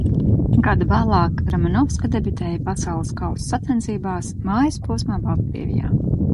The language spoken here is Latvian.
Gadu vēlāk Romanovska debitēja Pasaules kausa sacensībās, mājas posmā Baltkrievijā.